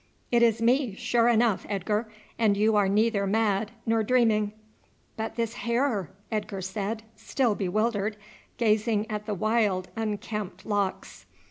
"It is me, sure enough, Edgar; and you are neither mad nor dreaming." "But this hair?" Edgar said, still bewildered, gazing at the wild, unkempt locks.